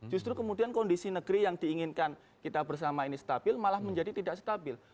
justru kemudian kondisi negeri yang diinginkan kita bersama ini stabil malah menjadi tidak stabil